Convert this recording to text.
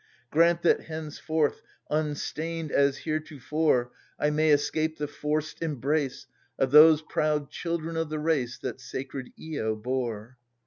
Grant that henceforth unstained as heretofore I may escape the forced embrace Of those proud children of the race f(, «, That sacred^lcrirore.